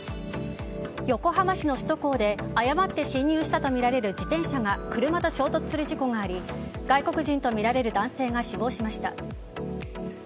横浜市の首都高で誤って進入したとみられる自転車が車と衝突する事故があり外国人とみられる男性が死亡しました。